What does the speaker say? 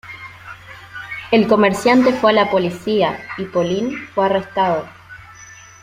El comerciante fue a la policía, y Paulin fue arrestado.